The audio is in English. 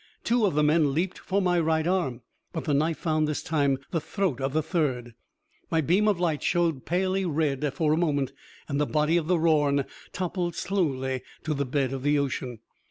Two of the men leaped for my right arm, but the knife found, this time, the throat of the third. My beam of light showed palely red, for a moment, and the body of the Rorn toppled slowly to the bed of the ocean.